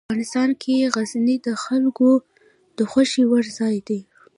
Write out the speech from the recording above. افغانستان کې غزني د خلکو د خوښې وړ ځای دی.